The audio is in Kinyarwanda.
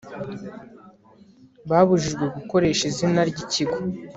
babujijwe gukoresha izina ry'ikigo